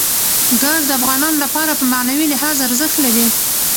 ګاز د افغانانو لپاره په معنوي لحاظ ارزښت لري.